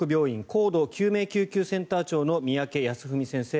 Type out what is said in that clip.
高度救命救急センター長の三宅康史先生